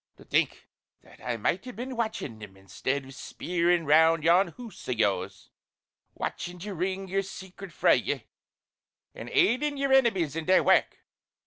To think that I might hae been watchin' them instead o' speerin' round yon hoose o' yours, watchin' to wring yer secret frae ye, an' aidin' yer enemies in their wark.